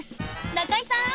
中居さん！